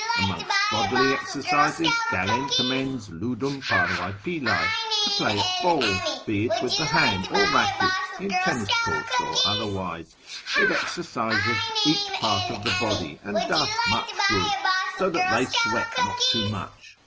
Amongst bodily exercises, Galen commends ludum parvae pilae, to play at ball, be it with the hand or racket, in tennis courts or otherwise, it exerciseth each part of the body, and doth much good, so that they sweat not too much.